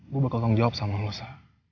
gue bakal tanggung jawab sama lo sa